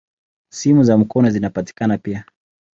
Simu za mkono zinapatikana pia.